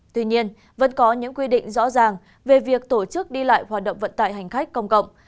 tuy nhiên vẫn có những quy định rõ ràng về việc tổ chức đi lại hoạt động vận tải hành khách công cộng